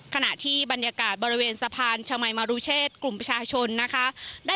ขณะที่บรรยากาศบริเวณสะพานชมัยมรุเชษกลุ่มประชาชนนะคะ